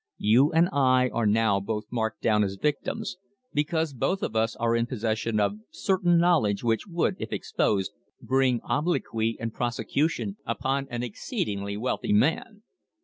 You and I are now both marked down as victims, because both of us are in possession of certain knowledge which would, if exposed, bring obloquy and prosecution upon an exceedingly wealthy man.